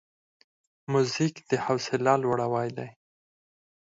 موزیک د حوصله لوړاوی دی.